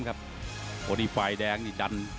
วันนี้ฝ่ายแดงนี่ดัน